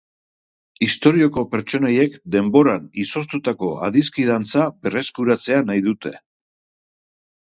Istorioko pertsonaiek denboran izoztutako adiskidantza berreskuratzea nahi dute.